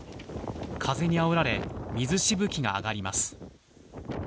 風にあおられ、水しぶきが上がります。